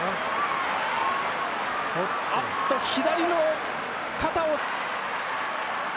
あっと左の肩を。